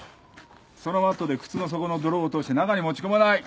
そのマットで靴の底の泥落として中に待ち込まない！